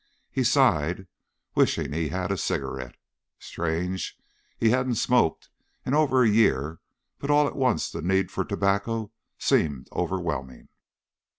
He sighed, wishing he had a cigarette. Strange, he hadn't smoked in over a year but all at once the need for tobacco seemed overwhelming.